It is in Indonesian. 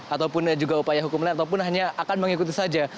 ataupun juga upaya hukum lain ataupun hanya akan mengikuti saja